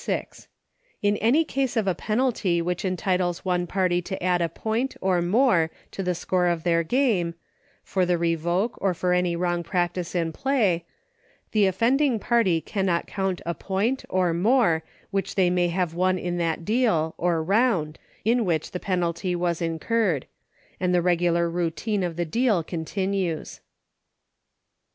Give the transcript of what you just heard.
Law XXXVI. In every case of a penalty which entitles one party to add a point, or more, to the score of their game — for the revoke, or any other wrong practice in play, — the offending party cannot count a point, or more, which they may have won in that deal — or round — in which the penalty was incurred; and the regular routine of the deal continues.